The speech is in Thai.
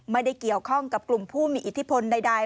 ไม่ได้เกี่ยวข้องกับกลุ่มผู้มีอิทธิพลใด